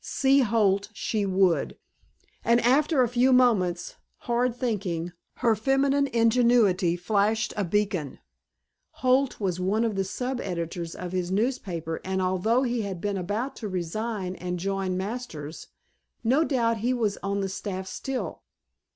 See Holt she would, and after a few moments' hard thinking her feminine ingenuity flashed a beacon. Holt was one of the sub editors of his newspaper and although he had been about to resign and join Masters, no doubt he was on the staff still.